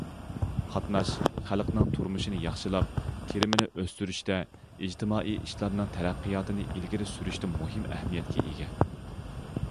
قاتناش خەلقنىڭ تۇرمۇشىنى ياخشىلاپ، كىرىمىنى ئۆستۈرۈشتە، ئىجتىمائىي ئىشلارنىڭ تەرەققىياتىنى ئىلگىرى سۈرۈشتە مۇھىم ئەھمىيەتكە ئىگە.